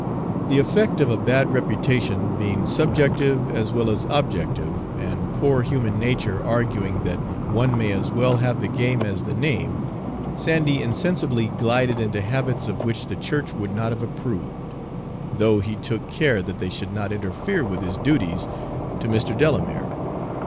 The effect of a bad reputation being subjective as well as objective, and poor human nature arguing that one may as well have the game as the name, Sandy insensibly glided into habits of which the church would not have approved, though he took care that they should not interfere with his duties to Mr. Delamere.